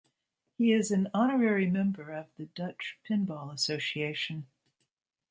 He is an honorary member of the Dutch Pinball Association.